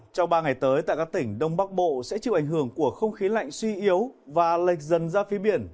trong ba ngày tới tại các tỉnh đông bắc bộ sẽ chịu ảnh hưởng của không khí lạnh suy yếu và lệch dần ra phía biển